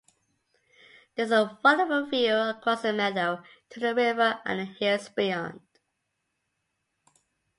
There's a wonderful view across the meadow to the river and the hills beyond.